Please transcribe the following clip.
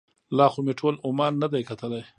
لا خو مې ټول عمان نه دی کتلی.